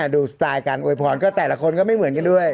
สไตล์การอวยพรก็แต่ละคนก็ไม่เหมือนกันด้วย